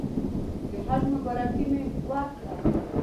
د حج مبارکي مې ورکړه.